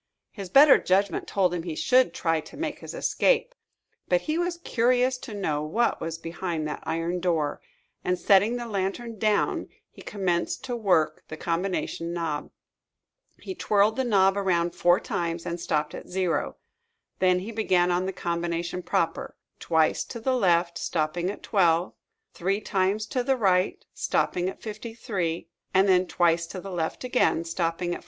His better judgment told him he should try to make his escape. But he was curious to know what was behind that iron door; and, setting the lantern down, he commenced to work the combination knob. He twirled the knob around four times and stopped at O. Then he began on the combination proper twice to the left, stopping at 12; three times to the right, stopping at 53; and then twice to the left again, stopping at 44.